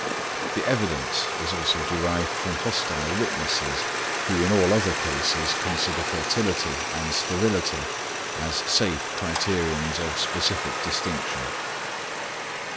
The evidence is also derived from hostile witnesses, who in all other cases consider fertility and sterility as safe criterions of specific distinction.